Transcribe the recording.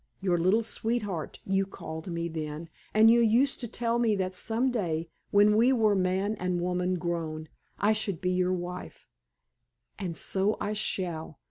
Your little sweetheart, you called me then; and you used to tell me that some day, when we were man and woman grown, I should be your wife. And so I shall!